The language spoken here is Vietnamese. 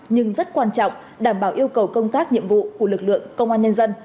nhưng rất quan trọng đảm bảo yêu cầu công tác nhiệm vụ của lực lượng công an nhân dân